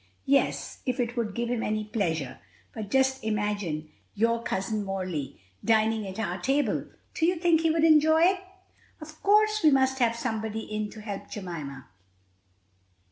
"Yes, if it would give him any pleasure. But just imagine your Cousin Morley dining at our table. Do you think he would enjoy it?" "Of course we must have somebody in to help Jemima."